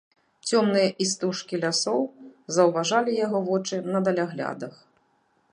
Цёмныя істужкі лясоў заўважалі яго вочы на даляглядах.